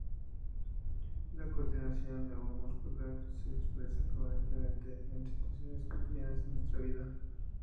La coordinación neuromuscular se expresa permanentemente en situaciones cotidianas en nuestra vida.